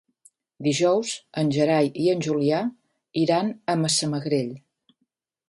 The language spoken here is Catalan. Dijous en Gerai i en Julià iran a Massamagrell.